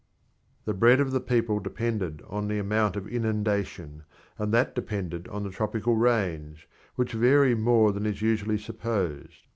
The bread of the people depended on the amount of inundation, and that depended on the tropical rains, which vary more than is usually supposed.